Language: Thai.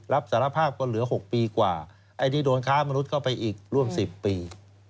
รับสารภาพก็เหลือ๖ปีกว่าไอ้ที่โดนค้ามนุษย์เข้าไปอีกร่วม๑๐ปี